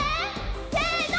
せの！